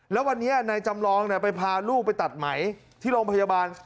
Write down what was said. แล้ววันนี้นายจำลองไปพาลูกไปตัดไหมที่โรงพยาบาล